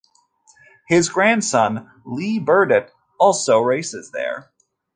His Grandson, Lee Burdett, also races there.